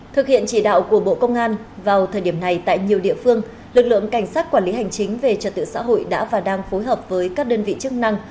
thực hiện chỉ đạo của bộ công an vào thời điểm này tại nhiều địa phương lực lượng cảnh sát quản lý hành chính về trật tự xã hội đã và đang phối hợp với các đơn vị chức năng